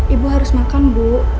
ibu harus makan bu